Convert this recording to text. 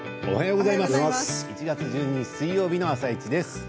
おはようございます。